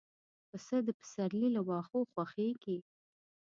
پسه د پسرلي له واښو خوښيږي.